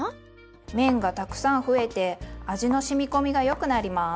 面がたくさん増えて味の染み込みがよくなります。